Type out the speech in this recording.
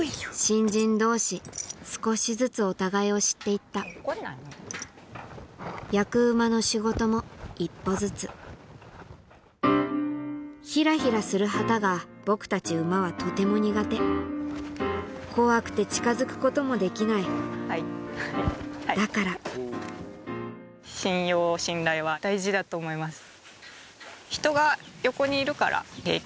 新人同士少しずつお互いを知って行った役馬の仕事も一歩ずつヒラヒラする旗が僕たち馬はとても苦手怖くて近づくこともできないだから信用信頼は大事だと思います。